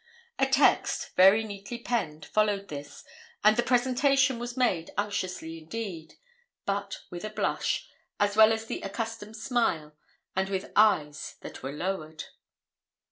A text, very neatly penned, followed this; and the 'presentation' was made unctiously indeed, but with a blush, as well as the accustomed smile, and with eyes that were lowered.